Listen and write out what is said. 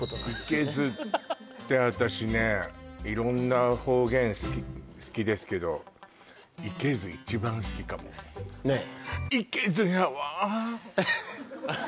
いけずって私ね色んな方言好きですけどいけず一番好きかもねえ